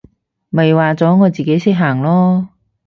咪話咗我自己識行囉！